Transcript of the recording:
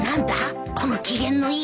この機嫌のいい顔